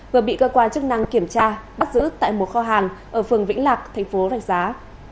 vừa bị cơ quan chức năng kiểm tra bắt giữ tại một kho hàng ở phường vĩnh lạc tp đàm giá